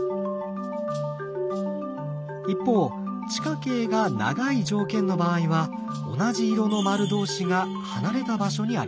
一方地下茎が長い条件の場合は同じ色の丸同士が離れた場所にあります。